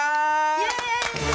イエーイ！